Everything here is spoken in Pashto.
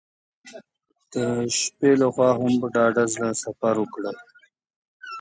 د شپې له خوا هم په ډاډه زړه سفر وکړئ.